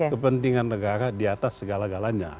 kepentingan negara di atas segala galanya